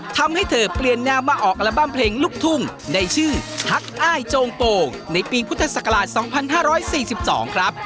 ทำให้เธอเปลี่ยนแนวมาออกอัลบั้มเพลงลูกทุ่งในชื่อทักอ้ายโจงโป่งในปีพุทธศักราช๒๕๔๒ครับ